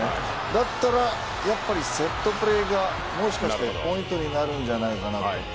だったらやっぱりセットプレーがもしかしたらポイントになるんじゃないかなと。